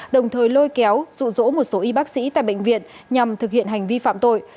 đồng thời lôi kéo rụ rỗ một số y bác sĩ tại bệnh viện nhằm thực hiện hành vi phạm tội